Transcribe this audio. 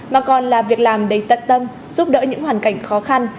mà còn là việc làm đầy tận tâm giúp đỡ những hoàn cảnh khó khăn